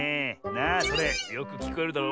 なあそれよくきこえるだろ？